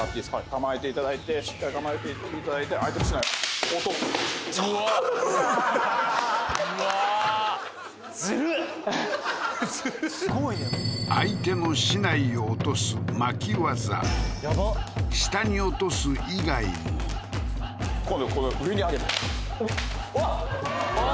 構えていただいてしっかり構えていただいて相手の竹刀を落とすうわー相手の竹刀を落とすやばっ下に落とす以外も今度上に上げるうわ！